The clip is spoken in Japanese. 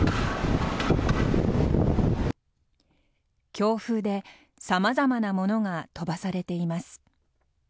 強風で、さまざまなものが飛ばされています。